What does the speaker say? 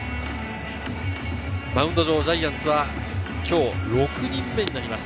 マウンド上、ジャイアンツは今日６人目になります。